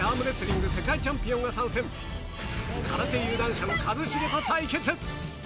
空手有段者の一茂と対決！